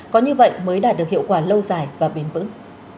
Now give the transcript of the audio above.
có như vậy mới đạt được hiệu quả lâu dài và bền vững